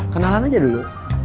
kenalan aja dulu